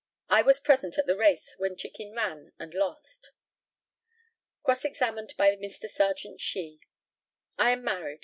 I was present at the race, when Chicken ran and lost. Cross examined by Mr. Serjeant SHEE. I am married.